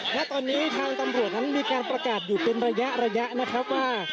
ณตอนนี้ทางตำรวจนั้นมีการประกาศอยู่เป็นระยะระยะนะครับว่า